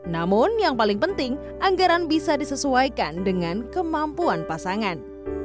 namun yang paling penting anggaran bisa disesuaikan dengan kemampuan pasangan